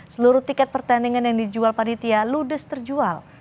seluruh tiket pertandingan yang dijual panitia ludes terjual